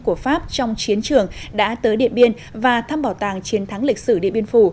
của pháp trong chiến trường đã tới điện biên và thăm bảo tàng chiến thắng lịch sử điện biên phủ